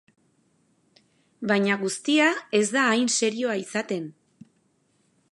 Baina guztia ez da hain serioa izaten.